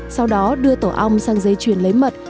sau đó đưa tổ ong sang dây chuyền lấy mật